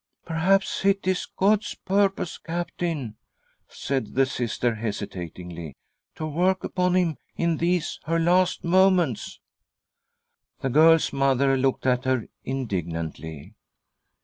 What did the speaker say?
" Perhaps it is God's purpose, Captain," said the Sister hesitatingly, " to work upon him in these \ her last moments." The girl's mother looked at her indignantly.